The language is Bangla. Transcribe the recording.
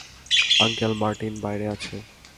আঙ্কেল মার্টিন বাইরে আছে।